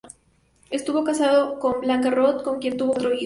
Estuvo casado con Blanca Roth, con quien tuvo cuatro hijos.